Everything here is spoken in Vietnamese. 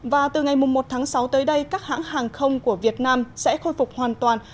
và từ ngày một tháng sáu tới đây các hãng hàng không của việt nam sẽ khôi phục hoàn toàn